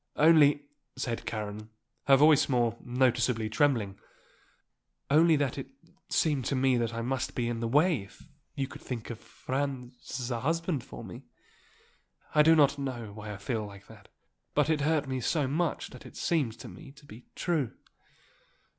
"Only " said Karen, her voice more noticeably trembling "only that it seemed to me that I must be in the way if you could think of Franz as a husband for me. I do not know why I feel that. But it hurt me so much that it seemed to me to be true."